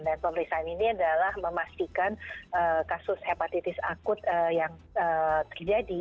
dan pemeriksaan ini adalah memastikan kasus hepatitis akut yang terjadi